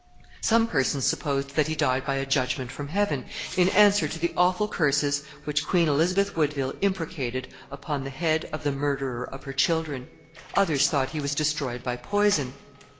Some persons supposed that he died by a judgment from heaven, in answer to the awful curses which Queen Elizabeth Woodville imprecated upon the head of the murderer of her children; others thought he was destroyed by poison.